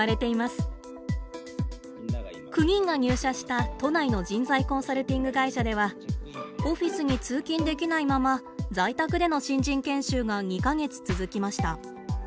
９人が入社した都内の人材コンサルティング会社ではオフィスに通勤できないまま在宅での新人研修が２か月続きました。